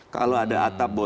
kalau ada atap boyang